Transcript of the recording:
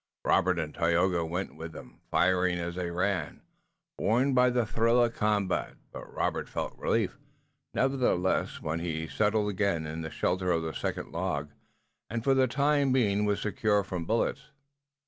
Robert and Tayoga went with them, firing as they ran, borne on by the thrill of combat, but Robert felt relief nevertheless when he settled again in the shelter of the second log and for the time being was secure from bullets.